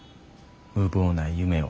無謀な夢を。